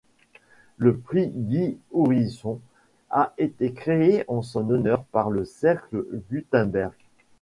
Le prix Guy-Ourisson a été créé en son honneur par le Cercle Gutenberg.